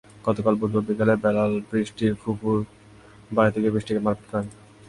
গতকাল বুধবার বিকেলে বেল্লাল বৃষ্টির ফুপুর বাড়িতে গিয়ে বৃষ্টিকে মারপিট করেন।